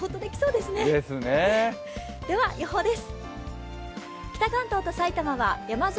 では予報です。